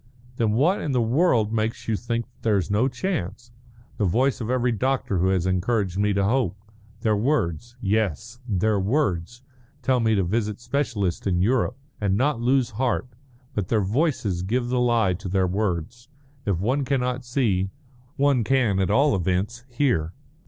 "Then what in the world makes you think that there's no chance?" "The voice of every doctor who has encouraged me to hope. Their words yes their words tell me to visit specialists in Europe, and not lose heart, but their voices give the lie to their words. If one cannot see, one can at all events hear."